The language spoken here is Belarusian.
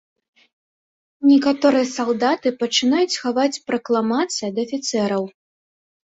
Некаторыя салдаты пачынаюць хаваць пракламацыі ад афіцэраў.